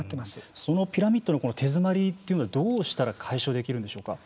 そのピラミッドの手詰まりというのはどうしたら解消できるんでしょうか。